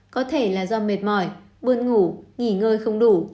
có thể là do mệt mỏi buôn ngủ nghỉ ngơi không đủ